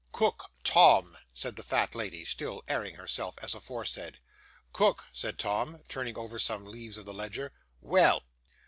'Cook, Tom,' said the fat lady, still airing herself as aforesaid. 'Cook,' said Tom, turning over some leaves of the ledger. 'Well!